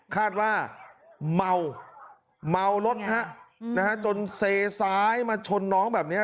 คาดว่าเมาเมารถฮะนะฮะจนเซซ้ายมาชนน้องแบบนี้